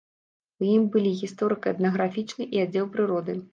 У ім былі гісторыка-этнаграфічны і аддзел прыроды.